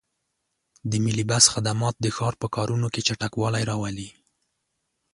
د ملي بس خدمات د ښار په کارونو کې چټکوالی راولي.